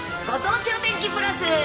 ご当地お天気プラス。